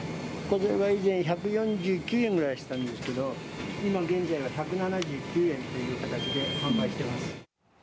こちらが以前１４９円ぐらいしてたんですけど、今現在は１７９円という形で販売してます。